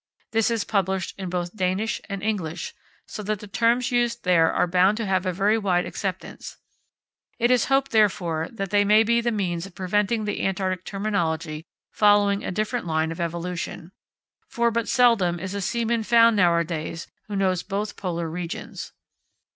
This is published in both Danish and English, so that the terms used there are bound to have a very wide acceptance; it is hoped, therefore, that they may be the means of preventing the Antarctic terminology following a different line of evolution; for but seldom is a seaman found nowadays who knows both Polar regions.